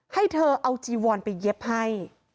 ให้เธอเอาจีวอนไปเย็บให้